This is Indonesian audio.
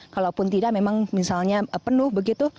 kalau pun tidak memang misalnya penuh begitu